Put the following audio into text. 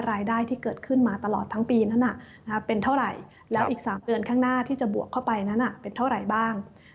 รายได้ที่เกิดขึ้นมาตลอดทั้งปีนั้นเป็นเท่าไหร่แล้วอีก๓เดือนข้างหน้าที่จะบวกเข้าไปนั้นเป็นเท่าไหร่บ้าง